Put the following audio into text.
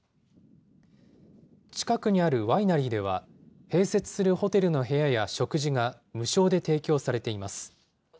近くにあるワイナリーでは、併設するホテルの部屋や食事が、無償で提供されています。